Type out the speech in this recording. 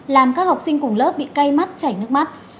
làm các học sinh cùng lớp bị cay mắt chảy nước mắt